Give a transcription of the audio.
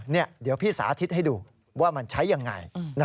เดี๋ยวพี่สาธิตให้ดูว่ามันใช้ยังไง